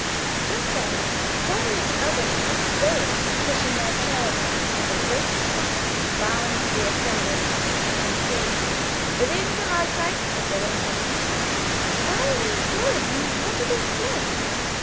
Just then, several of the other lads rose, pushing their chairs back with a great clatter, bowing to the assembled company, and saying "Gesegnete Mahlzeit!" as they went out. "Why are they going, and what do they say?"